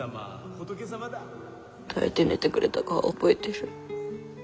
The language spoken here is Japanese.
抱いて寝てくれた顔は覚えてる。